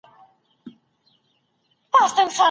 اوبه به را سي